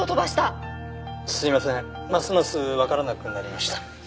すいませんますますわからなくなりました。